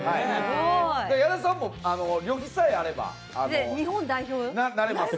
矢田さんも旅費さえあればなれます。